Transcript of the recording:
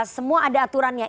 semua ada aturannya